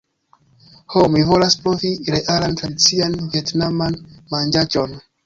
"Ho, mi volas provi realan tradician vjetnaman manĝaĵon